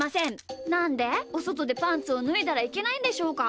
なんでおそとでパンツをぬいだらいけないんでしょうか？